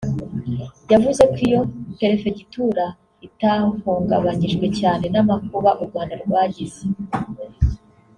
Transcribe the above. yavuze ko iyo Perefegitura itahungabanyijwe cyane “n’amakuba u Rwanda rwagize”